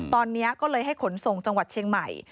ตอนนี้ก็เลยให้ขนส่งจังหวัดเชียงใหม่